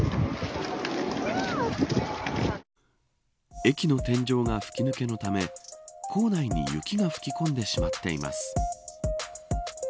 駅の天井が吹き抜けのため構内に雪が吹き込んでしまっています。